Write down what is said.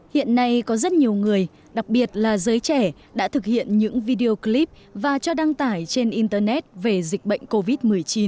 hiện nay có rất nhiều người đặc biệt là giới trẻ đã thực hiện những video clip và cho đăng tải trên internet về dịch bệnh covid một mươi chín